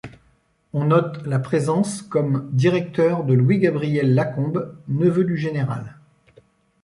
On note la présence comme directeur de Louis Gabriel Lacombe, neveu du général.